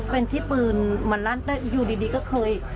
เป็นที่ปืนมันลั่นแต่อยู่ดีก็เคย